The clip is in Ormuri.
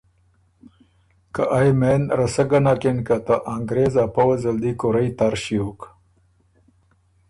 که ائ مېن رسک ګۀ نکِن که ته انګرېز ا پؤځ ال دی کُورئ تر ݭیوک